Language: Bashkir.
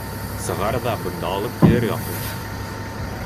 Сығар ҙа бында алып килергә ҡуш.